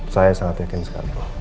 saya sangat yakin sekali